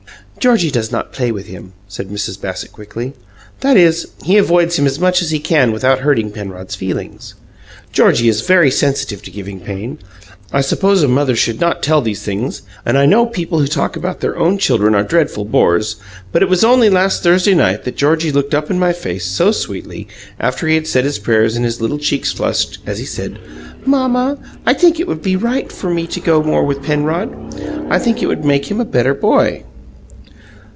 "Georgie does not play with him," said Mrs. Bassett quickly "that is, he avoids him as much as he can without hurting Penrod's feelings. Georgie is very sensitive to giving pain. I suppose a mother should not tell these things, and I know people who talk about their own children are dreadful bores, but it was only last Thursday night that Georgie looked up in my face so sweetly, after he had said his prayers and his little cheeks flushed, as he said: 'Mamma, I think it would be right for me to go more with Penrod. I think it would make him a better boy.'"